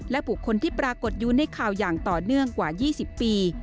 บุคคลที่ปรากฏอยู่ในข่าวอย่างต่อเนื่องกว่า๒๐ปี